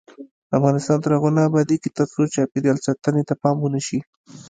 افغانستان تر هغو نه ابادیږي، ترڅو د چاپیریال ساتنې ته پام ونشي.